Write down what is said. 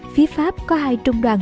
phía pháp có hai trung đoàn